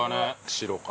白か。